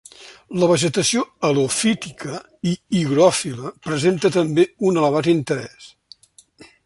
La vegetació helofítica i higròfila presenta també un elevat interès.